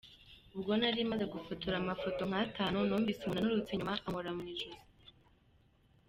Ubwo nari maze gufotora amafoto nk’atanu numvise umuntu anturutse inyuma, ankora mu ijosi.